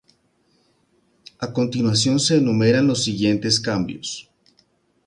A continuación se enumeran los siguientes cambios.